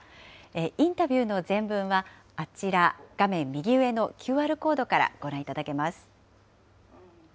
インタビューの全文は、あちら、画面右上のＱＲコードからご覧いただけます。